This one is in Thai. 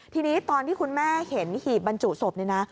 ทีนี้ตอนที่คุณแม่เห็นหีบบรรจุศพนี่นะ